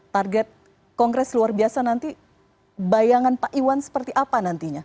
target kongres luar biasa nanti bayangan pak iwan seperti apa nantinya